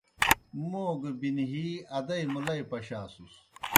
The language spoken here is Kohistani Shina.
موْ گہ بِنہِی ادَئی مُلئی پشاسُس۔